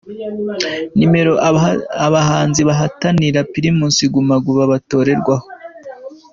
Nomero abahanzi bahataniye Primus Guma Guma batorerwaho.